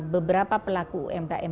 beberapa pelaku umkm